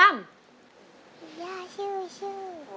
ย่าซูซู